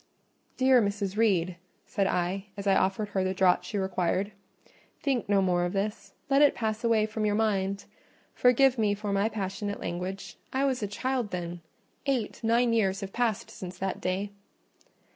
"Dear Mrs. Reed," said I, as I offered her the draught she required, "think no more of all this, let it pass away from your mind. Forgive me for my passionate language: I was a child then; eight, nine years have passed since that day."